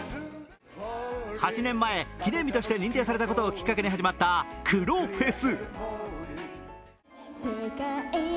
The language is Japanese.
８年前、記念日として認定されたことをきっかけに始まった黒フェス。